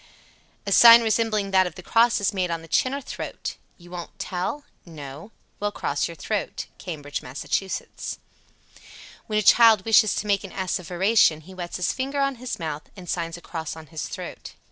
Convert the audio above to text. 62. A sign resembling that of the cross is made on the chin or throat. "You won't tell?" "No." "Well, cross your throat." Cambridge, Mass. 63. When a child wishes to make an asseveration, he wets his finger on his mouth and signs a cross on his throat.